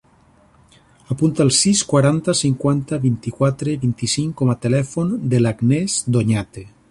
Apunta el sis, quaranta, cinquanta, vint-i-quatre, vint-i-cinc com a telèfon de l'Agnès Doñate.